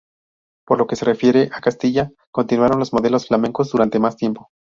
Por lo que se refiere a Castilla, continuaron los modelos flamencos durante más tiempo.